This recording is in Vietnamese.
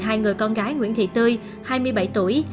hai người con gái nguyễn thị tươi hai mươi bảy tuổi